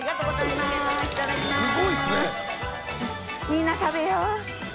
みんな食べよう。